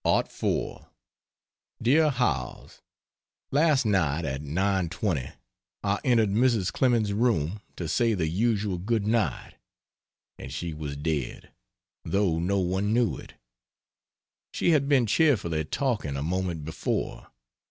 DEAR HOWELLS, Last night at 9.20 I entered Mrs. Clemens's room to say the usual goodnight and she was dead tho' no one knew it. She had been cheerfully talking, a moment before.